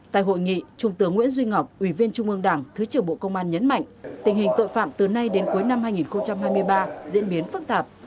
tại hội nghị trung tướng nguyễn duy ngọc ủy viên trung ương đảng thứ trưởng bộ công an nhấn mạnh tình hình tội phạm từ nay đến cuối năm hai nghìn hai mươi ba diễn biến phức tạp